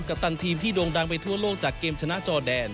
ตันทีมที่โด่งดังไปทั่วโลกจากเกมชนะจอแดน